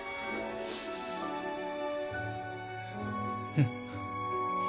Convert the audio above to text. うん。